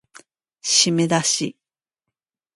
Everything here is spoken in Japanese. しめだし